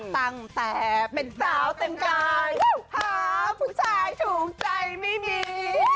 ตั้งแต่เป็นสาวเต็มกายหาผู้ชายถูกใจไม่มี